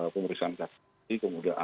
pemeriksaan saksi saksi kemudian